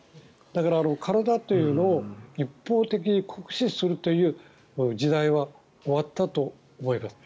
だから体というのを一方的に酷使するという時代は終わったと思います。